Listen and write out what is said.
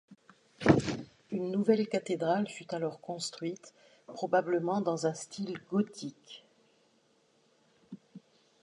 Une nouvelle cathédrale fut alors construite, probablement dans un style gothique.